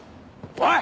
おい！